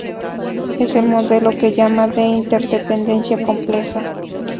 Es el modelo que llaman de interdependencia compleja.